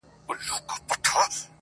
• پر لکړه یې دروړمه هدیرې لمن دي نیسه -